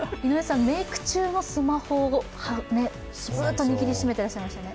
メイク中もスマホをずっと握りしめていらっしゃいましたね。